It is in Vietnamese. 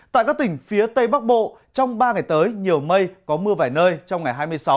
tại các tỉnh phía tây bắc bộ trong ba ngày tới nhiều mây có mưa vài nơi trong ngày hai mươi sáu